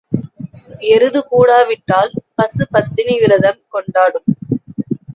எருது கூடா விட்டால் பசு பத்தினி விரதம் கொண்டாடும்.